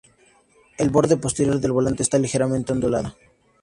El borde posterior del volante está ligeramente ondulado.